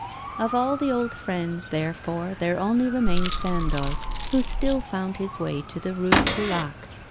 Of all the old friends, therefore, there only remained Sandoz, who still found his way to the Rue Tourlaque.